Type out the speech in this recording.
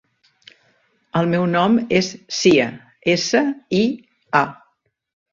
El meu nom és Sia: essa, i, a.